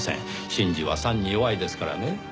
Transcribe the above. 真珠は酸に弱いですからね。